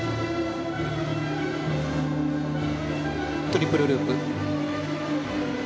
トリプルループ。